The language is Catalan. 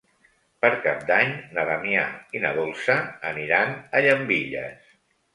Per Cap d'Any na Damià i na Dolça aniran a Llambilles.